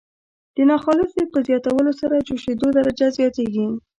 د ناخالصې په زیاتولو سره جوشیدو درجه زیاتیږي.